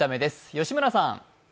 吉村さん。